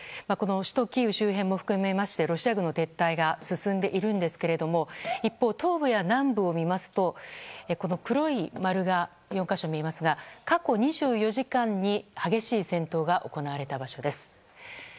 この首都キーウ周辺を含めロシア軍の撤退が進んでいるんですけれども一方、東部や南部を見ますと黒い丸が４か所、見えますが過去２４時間に激しい戦闘が行われた場所です。